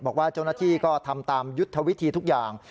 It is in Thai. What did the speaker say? บอกว่าเจ้าหน้าที่ก็ทำตามยุทธวิธีทุกอย่าง